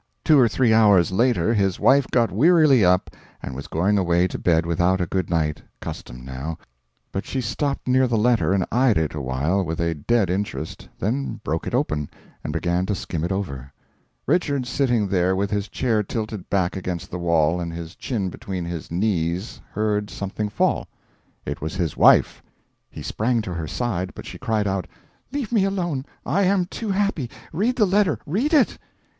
Two or three hours later his wife got wearily up and was going away to bed without a good night custom now but she stopped near the letter and eyed it awhile with a dead interest, then broke it open, and began to skim it over. Richards, sitting there with his chair tilted back against the wall and his chin between his knees, heard something fall. It was his wife. He sprang to her side, but she cried out: "Leave me alone, I am too happy. Read the letter read it!"